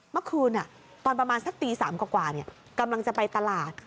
เมื่อคืนตอนประมาณสักตี๓กว่ากำลังจะไปตลาด